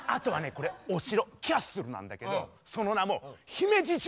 これお城キャッスルなんだけどその名も姫路城！